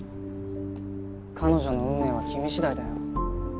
彼女の運命は君次第だよ。